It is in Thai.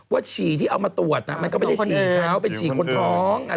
ฉี่ที่เอามาตรวจมันก็ไม่ได้ฉี่เขาเป็นฉี่คนท้อง